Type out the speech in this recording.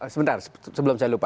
sebentar sebelum saya lupa